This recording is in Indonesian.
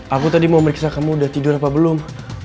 aku tadi mau meriksa kamu udah tidur apa belum